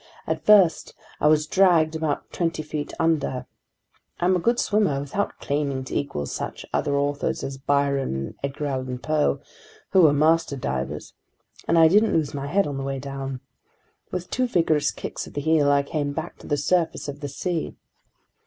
At first I was dragged about twenty feet under. I'm a good swimmer, without claiming to equal such other authors as Byron and Edgar Allan Poe, who were master divers, and I didn't lose my head on the way down. With two vigorous kicks of the heel, I came back to the surface of the sea.